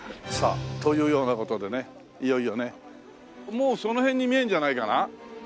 もうその辺に見えるんじゃないかな？